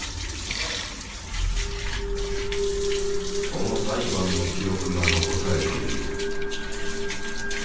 その裁判の記録が残されている。